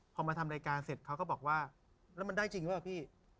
พอมาทำรายการเสร็จเขาก็บอกว่าแล้วมันได้จริงหรือเปล่าพี่